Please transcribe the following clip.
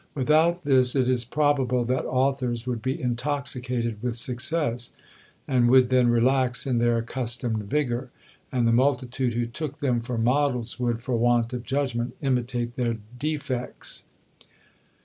Without this it is probable that authors would be intoxicated with success, and would then relax in their accustomed vigour; and the multitude who took them for models would, for want of judgment, imitate their defects.